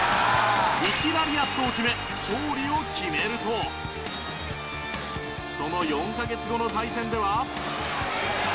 リキ・ラリアットを決め勝利を決めるとその４カ月後の対戦では